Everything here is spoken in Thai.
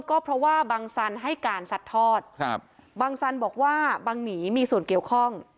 ก็เพราะว่าบังสันให้การสัดทอดครับบังสันบอกว่าบังหนีมีส่วนเกี่ยวข้อง